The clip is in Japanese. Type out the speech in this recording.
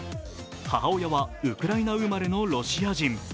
母親はウクライナ生まれのロシア人。